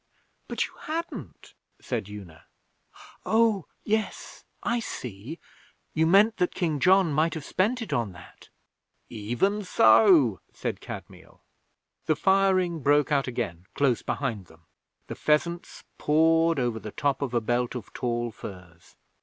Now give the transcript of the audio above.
"' 'But you hadn't,' said Una. 'Oh, yes! I see! You meant that King John might have spent it on that?' 'Even so,' said Kadmiel. The firing broke out again close behind them. The pheasants poured over the top of a belt of tall firs.